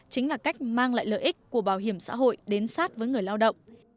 chính là cách mang lại lợi ích của bảo hiểm xã hội đến sát với người lao động